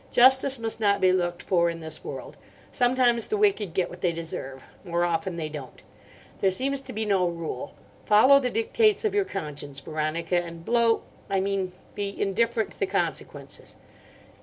Justice must not be looked for in this world. Sometimes the wicked get what they deserve. More often they don't. There seems to be no rule. Follow the dictates of your conscience, Veronica, and blow—I mean be indifferent to the consequences.